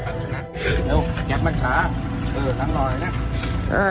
ความงะอย่างเนี้ย